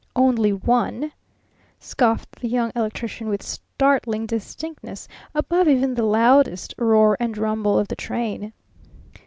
"Only one?" scoffed the Young Electrician with startling distinctness above even the loudest roar and rumble of the train.